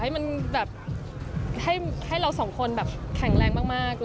ให้มันแบบให้เราสองคนแบบแข็งแรงมาก